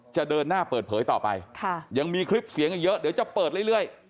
จะเดินหน้าเปิดเผยต่อไปยังมีคลิปเสียงอีกเยอะเดี๋ยวจะเปิดเรื่อย